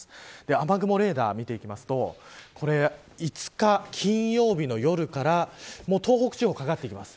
雨雲レーダーを見ていくと５日金曜日の夜から東北地方にもかかってきます。